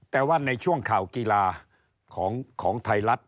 แต่ว่าในช่วงข่าวกีฬาของไทยรัฐ